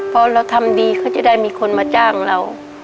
พอเราทำดีเขาจะได้มีคนมาจ้างเรา